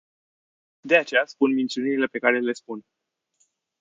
De aceea spun minciunile pe care le spun.